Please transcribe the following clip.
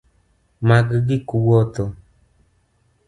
Mag gik wuotho